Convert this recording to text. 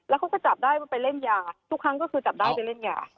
แล้วเขาก็จับได้ว่าไปเล่นยาทุกครั้งก็คือจับได้ไปเล่นยา